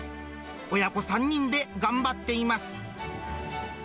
親子３人で頑張っています。